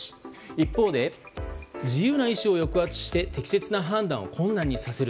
一方で、自由な意思を抑圧して適切な判断を困難にさせる。